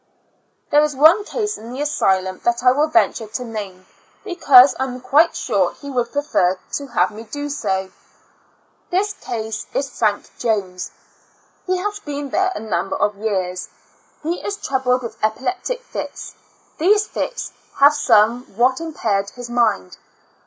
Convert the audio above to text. There is one case in the asylum that I will venture to name, because I am quite sure he would prefer to have me do so. This case is Frank Jones. He has been there a number of years. He is troubled wath epileptic fits; these fits have some what impaired his mind.